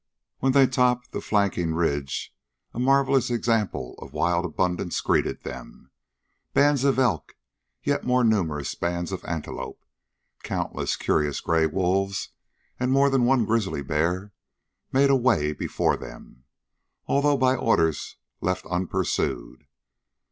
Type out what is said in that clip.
When they topped the flanking ridge a marvelous example of wild abundance greeted them. Bands of elk, yet more numerous bands of antelope, countless curious gray wolves, more than one grizzly bear made away before them, although by orders left unpursued.